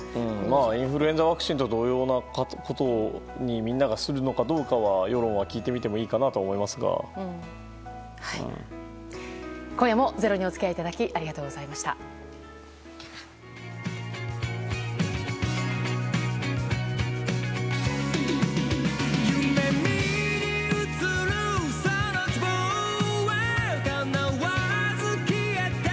インフルエンザワクチンと同様なことにみんながするのかどうかは世論に聞いてみてもいいかなと今夜も「ｚｅｒｏ」にお付き合いいただきありがとうございました。